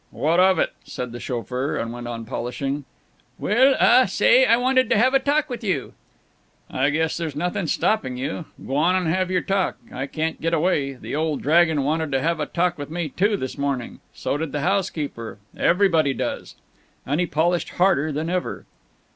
"What of it?" said the chauffeur, and went on polishing. "Well, uh, say, I wanted to have a talk with you." "I guess there's nothing stopping you. G'wan and have your talk. I can't get away. The old dragon wanted to have a talk with me, too, this morning. So did the housekeeper. Everybody does." And he polished harder than ever.